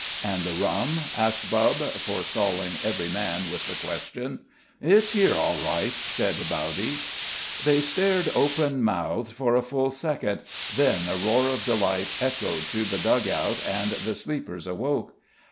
"And the rum?" asked Bubb, forestalling every man with the question. "It's here all right," said Bowdy. They stared open mouthed for a full second, then a roar of delight echoed through the dug out and the sleepers awoke.